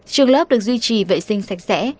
trường lớp được duy trì vệ sinh sạch sẽ